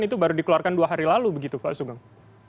itu baru dikeluarkan dua hari lalu begitu pak sugeng